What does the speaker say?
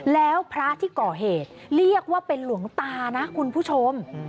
แล้วพระที่ก่อเหตุเรียกว่าเป็นหลวงตานะคุณผู้ชม